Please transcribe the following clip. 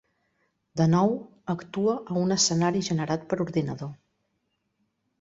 De nou, actua a un escenari generat per ordinador.